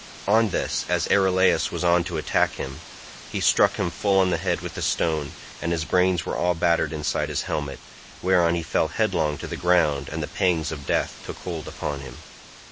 On this, as Erylaus was on coming to attack him, he struck him full on the head with a stone, and his brains were all battered inside his helmet, whereon he fell headlong to the ground and the pangs of death took hold upon him.